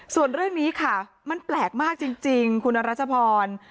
ส่วนเรื่องนี้ค่ะมันแปลกมากจริงคุณรัชพร